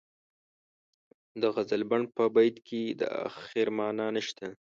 د غزلبڼ په بیت کې د اخر معنا نشته.